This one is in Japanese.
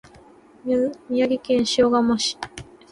宮城県塩竈市